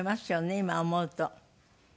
今思うと。